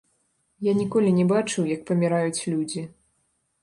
Я ніколі не бачыў, як паміраюць людзі.